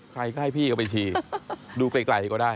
ใครก็ให้พี่เขาไปชีดูไกลก็ได้